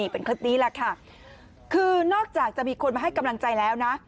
เป็นคลิปนี้แหละค่ะคือนอกจากจะมีคนมาให้กำลังใจแล้วนะ